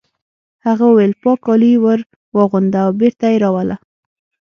هغه وویل پاک کالي ور واغونده او بېرته یې راوله